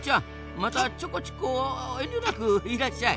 またちょこチコ遠慮なくいらっしゃい。